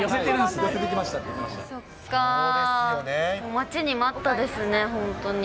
待ちに待ったですね、本当に。